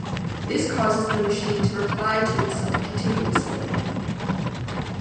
This causes the machine to reply to itself continuously.